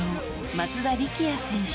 松田力也選手。